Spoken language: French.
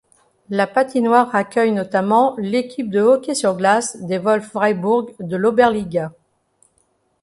La patinoire accueille notamment l'équipe de hockey sur glace des Wölfe Freiburg de l'Oberliga.